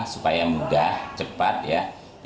supaya mudah cepat ya